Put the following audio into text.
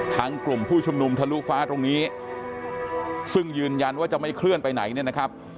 กลุ่มผู้ชุมนุมทะลุฟ้าตรงนี้ซึ่งยืนยันว่าจะไม่เคลื่อนไปไหนเนี่ยนะครับ